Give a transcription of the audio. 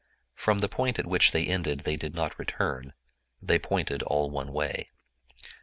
From the point at which they ended they did not return; they pointed all one way.